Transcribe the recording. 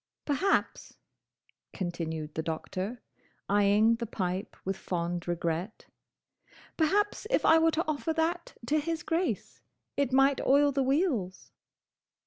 "Perhaps," continued the Doctor, eyeing the pipe with fond regret, "perhaps if I were to offer that to his Grace, it might oil the wheels."